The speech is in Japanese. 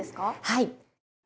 はい。